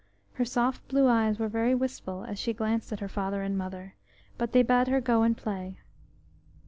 Her soft blue eyes were very wistful as she glanced at her father and mother, but they bade her go and play.